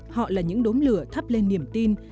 họ là những đốm lửa thắp lên niềm tin